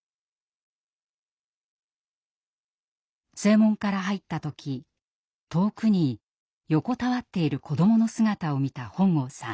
正門から入った時遠くに横たわっている子どもの姿を見た本郷さん。